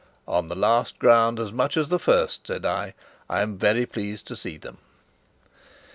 "On the last ground as much as the first," said I, "I am very pleased to see them."